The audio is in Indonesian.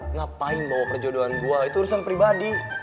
ngapain bawa perjodohan gue itu urusan pribadi